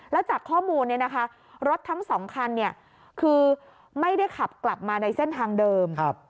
แล้วจากข้อมูลรถทั้ง๒คันคือไม่ได้ขับกลับมาในเส้นทางเดิม